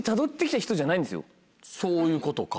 そういうことか。